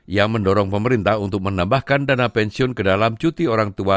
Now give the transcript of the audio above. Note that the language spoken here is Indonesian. ia mendorong pemerintah untuk menambahkan dana pensiun ke dalam cuti orang tua